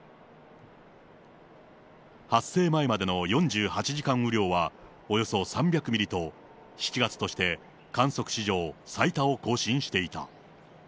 発生前までの４８時間雨量はおよそ３００ミリと、７月として観測史上最多を更新していた。